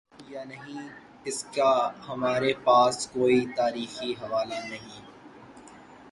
یانہیں، اس کا ہمارے پاس کوئی تاریخی حوالہ نہیں۔